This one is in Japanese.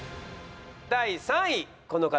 第３位この方。